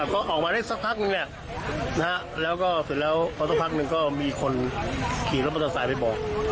ก็ออกมาได้สักพักนึงแล้วก็เสร็จแล้วพอสักพักหนึ่งก็มีคนขี่รถมอเตอร์ไซค์ไปบอก